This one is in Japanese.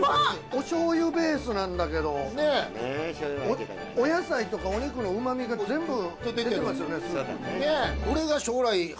おしょう油ベースなんだけどお野菜とかお肉のうま味が全部出てますよねスープに。